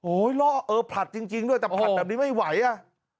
ล่อเออผลัดจริงด้วยแต่ผลัดแบบนี้ไม่ไหวอ่ะ